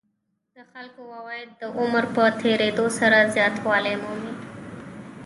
د خلکو عواید د عمر په تېرېدو سره زیاتوالی مومي